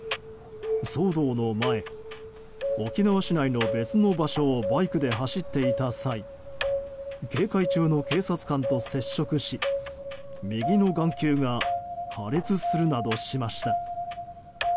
騒動の前沖縄市内の別の場所をバイクで走っていた際警戒中の警察官と接触し右の眼球が破裂するなどしました。